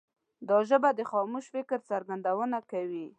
دا ژبه د خاموش فکر څرګندونه کوي.